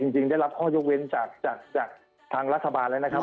จริงได้รับข้อยกเว้นจากทางรัฐบาลแล้วนะครับ